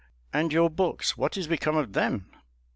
And your books, what is become of them?"